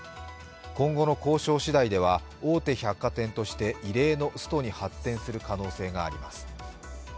今後の交渉しだいでは、大手百貨店として異例のストに発展する可能性があります。